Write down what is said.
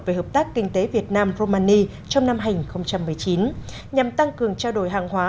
về hợp tác kinh tế việt nam romani trong năm hai nghìn một mươi chín nhằm tăng cường trao đổi hàng hóa